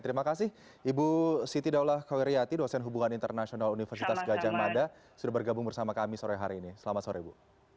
terima kasih ibu siti daulah koiriyati dosen hubungan internasional universitas gajah mada sudah bergabung bersama kami sore hari ini selamat sore bu